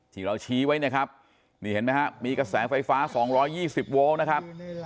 ที่เราชี้ไว้นะครับนี่เห็นไหมครับมีกระแสไฟฟ้า๒๒๐โวลต์นะครับ